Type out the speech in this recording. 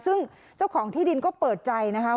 ซึ่งเจ้าของที่ดินก็เปิดใจนะคะ